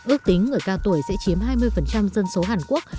ước tính người cao tuổi sẽ chiếm hai mươi dân số hàn quốc